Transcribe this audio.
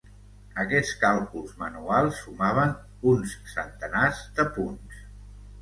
Aquests càlculs manuals sumaven "uns centenars de punts".